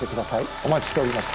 お待ちしております。